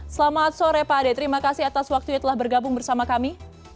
selamat sore pak ade terima kasih atas waktunya telah bergabung bersama kami